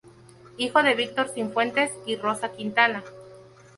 Hijo de Víctor Sifuentes y Rosa Quintana.